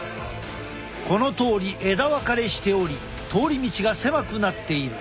このとおり枝分かれしており通り道が狭くなっている。